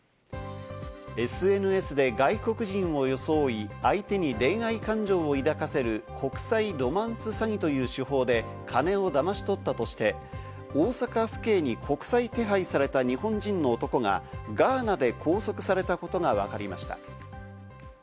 ＳＮＳで外国人を装い、相手に恋愛感情を抱かせる国際ロマンス詐欺という手法で金をだまし取ったとして、大阪府警に国際手配された日本人の男がガーナで拘束されたことがわかりました。